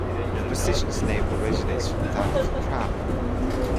The position's name originates from that of a crab.